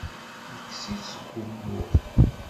Yekkes-it seg wumuɣ.